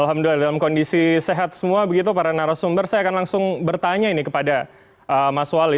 alhamdulillah dalam kondisi sehat semua begitu para narasumber saya akan langsung bertanya ini kepada mas wali